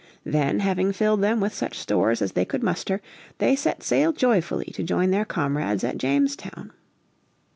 Then, having filled them with such stores as they could muster, they set sail joyfully to join their comrades at Jamestown.